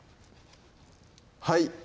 はい